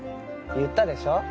言ったでしょ？